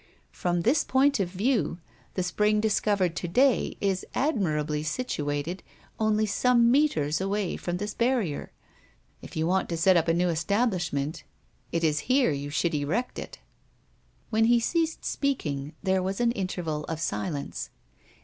From this point of view, the spring discovered to day is admirably situated only some meters away from this barrier. If you want to set up a new establishment, it is here you should erect it." When he ceased speaking, there was an interval of silence.